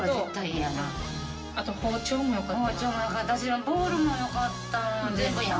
あと包丁もよかったな。